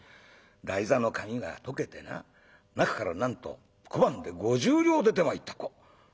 台座の紙が溶けてな中からなんと小判で５０両出てまいった」。